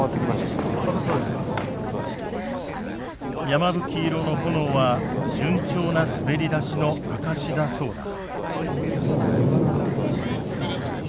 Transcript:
山吹色の炎は順調な滑り出しの証しだそうだ。